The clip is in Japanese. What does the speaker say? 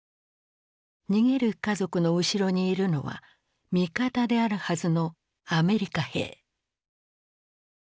逃げる家族の後ろにいるのは味方であるはずのアメリカ兵。